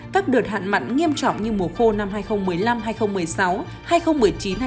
các đợt hạn mặn nghiêm trọng như mùa khô năm hai nghìn một mươi năm hai nghìn một mươi sáu